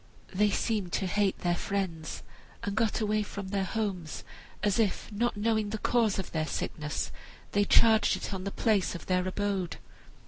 They seemed to hate their friends, and got away from their homes, as if, not knowing the cause of their sickness, they charged it on the place of their abode.